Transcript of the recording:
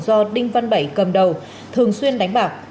do đinh văn bảy cầm đầu thường xuyên đánh bạc